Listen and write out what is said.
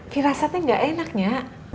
firasatnya gak enaknya